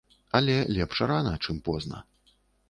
Але лепш рана, чым позна.